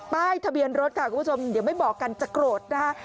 ป้ายทะเบียนรถค่ะคุณผู้ชมเดี๋ยวไม่บอกกันจะโกรธนะคะ